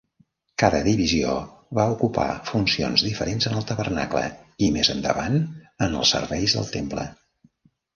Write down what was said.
Cada divisió va ocupar funcions diferents en el tabernacle i més endavant en els serveis del temple.